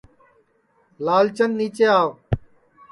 لال چند نِیچے آو